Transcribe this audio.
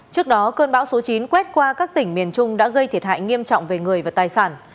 trước đó cơn bão số chín quét qua các tỉnh miền trung đã gây thiệt hại nghiêm trọng về người và tài sản